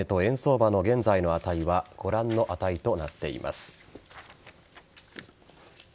午前の終値と円相場の現在の値はご覧の値となっています。